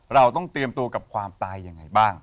เราต้องเตรียมตัวกับความตายยังไงบ้าง